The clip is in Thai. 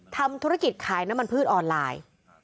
ทำธุรกิจขายน้ำมันพืชออนไลน์